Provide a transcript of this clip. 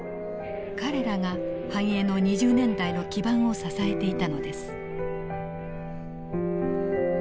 彼らが繁栄の２０年代の基盤を支えていたのです。